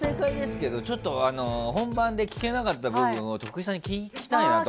本番で聞けなかった部分を徳井さんに聞きたいなと。